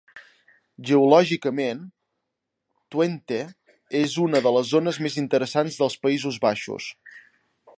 Geològicament, Twente és una de les zones més interessants dels Països Baixos.